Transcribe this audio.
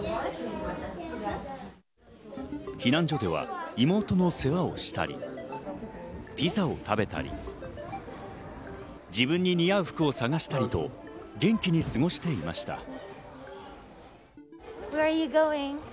避難所では妹の世話をしたり、ピザを食べたり、自分に似合う服を探したりと元気に過ごしていました。